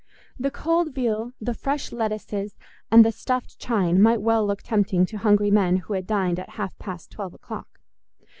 The cold veal, the fresh lettuces, and the stuffed chine might well look tempting to hungry men who had dined at half past twelve o'clock.